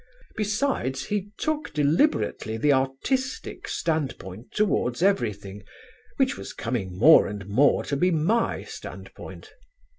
Besides he took deliberately the artistic standpoint towards everything, which was coming more and more to be my standpoint.